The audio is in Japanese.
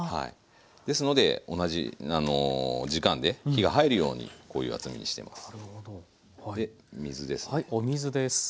ですので同じ時間で火が入るようにこういう厚みにしています。